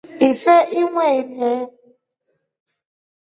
Ife umweleli.